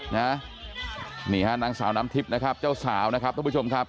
นี่ฮะนางสาวน้ำทิพย์นะครับเจ้าสาวนะครับทุกผู้ชมครับ